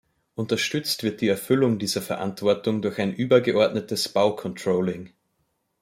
Unterstützt wird die Erfüllung dieser Verantwortung durch ein übergeordnetes Bau-Controlling.